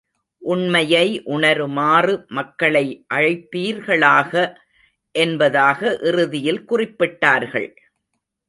உண்மையை உணருமாறு மக்களை அழைப்பீர்களாக! என்பதாக இறுதியில் குறிப்பிட்டார்கள்.